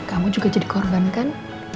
kamu juga jadi korban kan